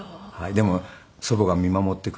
でも祖母が見守ってくれたのか